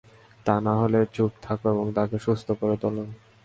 তা নাহলে চুপ থাকো, এবং তাকে সুস্থ করে তোলো।